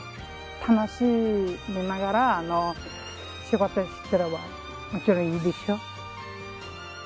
楽しみながら仕事してればもちろんいいでしょ。